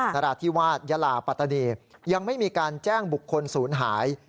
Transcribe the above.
นราธิวาสยาลาปัตตานียังไม่มีการแจ้งบุคคลศูนย์หาย